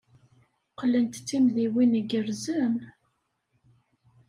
Qqlent d timidiwin igerrzen.